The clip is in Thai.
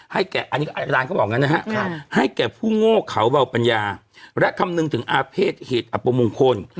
ให้แก่ผู้โง่เขาเบาปัญญาและคำนึงถึงอาเภษเหตุอัปมงคล